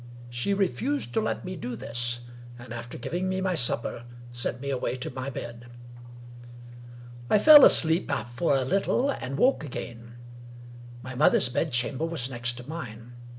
She refused to let me do this ; and, after giving me my supper, sent me away to my bed. I fell asleep for a little, and woke again. My mother's bed chamber was next to mine.